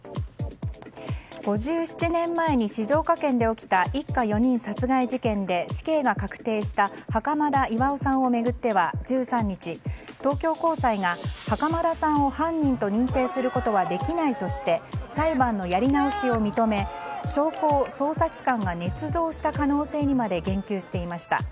５７年前に静岡県で起きた一家４人殺害事件で死刑が確定した袴田巌さんを巡っては１３日、東京高裁が袴田さんを犯人と認定することはできないとして裁判のやり直しを認め証拠を捜査機関がねつ造した可能性にまで言及していました。